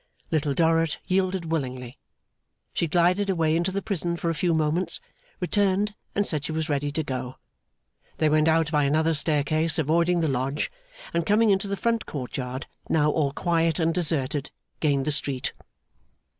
Little Dorrit yielded willingly. She glided away into the prison for a few moments, returned, and said she was ready to go. They went out by another staircase, avoiding the lodge; and coming into the front court yard, now all quiet and deserted, gained the street.